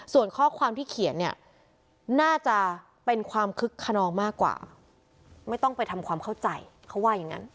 ส่วนข้อความที่เขียนเนี่ยน่าจะเป็นความคึกขนองมากกว่าไม่ต้องไปทำความเข้าใจเขาว่าอย่างนั้น